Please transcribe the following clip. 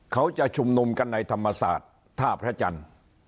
เขาจะชุมนุมกันในธรรมศาสตร์ท่าพระจันทร์